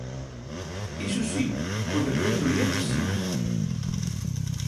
Iso si, co decreto lei si.